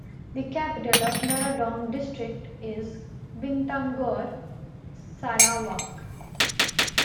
The capital of Meradong District is Bintangor, Sarawak.